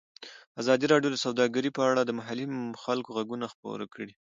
ازادي راډیو د سوداګري په اړه د محلي خلکو غږ خپور کړی.